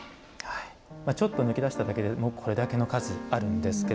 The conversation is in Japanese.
ちょっと抜き出しただけでこれだけの数あります。